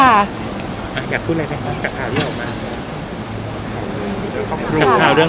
อยากพูดอะไรใช่ไหมเรื่องขอบคุณ